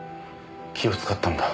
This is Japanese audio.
気を使ったんだ。